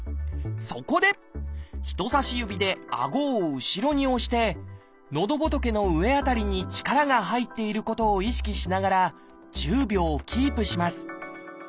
そこで人さし指であごを後ろに押してのどぼとけの上辺りに力が入っていることを意識しながら１０秒キープします。